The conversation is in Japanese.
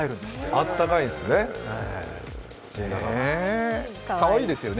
あったかいですよね。